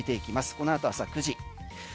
このあと朝９時。